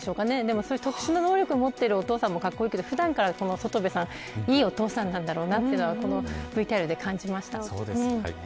でも、そういう特殊な能力を持っているお父さんもかっこいいけど普段から、いいお父さんなんだろうなというのがこのＶＴＲで感じました。